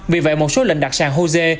vì vậy một số lệnh đặt sàn hosea